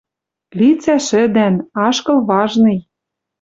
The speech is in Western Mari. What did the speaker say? Лицӓ шӹдӓн, ашкыл важный.